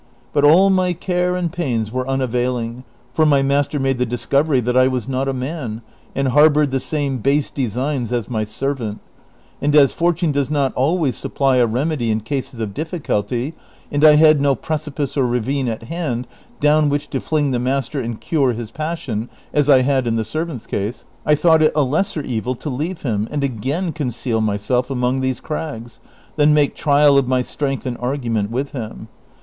But all my care and pains were unavailing, for my master made the discovery that I was not a man, and liarbored the same base designs as my servant; and as fortune does not always supply a remedy in cases of difficulty, and I had no precipice or ravine at hand downi which to fling the master and cure his passion, as I had in the servant's case, I tliought it a lesser evil to leave him and again conceal myself among these crags, than make trial of my strength and argument with him.